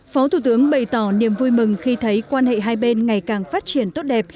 phó thủ tướng bày tỏ niềm vui mừng khi thấy quan hệ hai bên ngày càng phát triển tốt đẹp